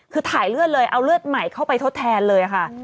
คือถ่ายเลือดเลยเอาเลือดใหม่เข้าไปทดแทนเลยค่ะ